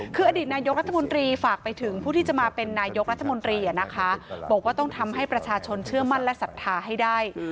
คืออดีตนายกรัฐมนตรีฝากไปถึงผู้ที่จะมาเป็นนายกรัฐมนตรีบอกว่าต้องทำให้ประชาชนเชื่อมั่นและศรัทธาให้ได้